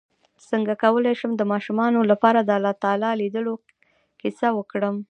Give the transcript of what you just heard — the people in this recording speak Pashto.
څنګه کولی شم د ماشومانو لپاره د الله تعالی لیدلو کیسه وکړم